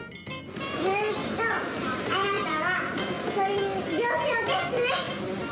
ずーっとあなたはそういう状況ですね。